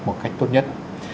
một cách tốt nhất